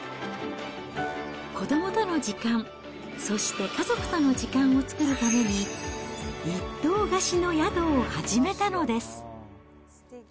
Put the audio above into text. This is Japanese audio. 子どもとの時間、そして家族との時間を作るために、一棟貸しの宿を始めたのです。